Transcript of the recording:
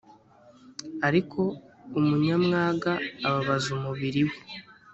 ariko umunyamwaga ababaza umubiri we